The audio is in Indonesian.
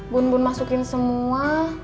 bun bun masukin semua